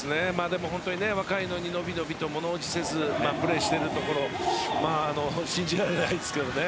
若いのにのびのびと物怖じせずプレーしているところ信じられないですけどね。